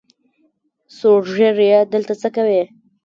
سور ږیریه دلته څۀ کوې؟